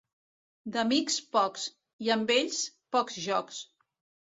D'amics, pocs, i amb ells, pocs jocs.